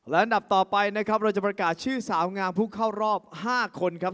และอันดับต่อไปนะครับเราจะประกาศชื่อสาวงามผู้เข้ารอบ๕คนครับ